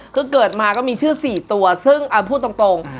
คือเกิดมาก็มีชื่อ๔ตัวซึ่งพูดตรง